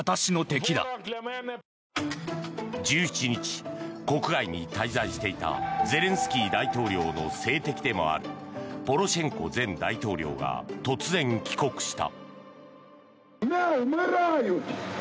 １７日、国外に滞在していたゼレンスキー大統領の政敵でもあるポロシェンコ前大統領が突然、帰国した。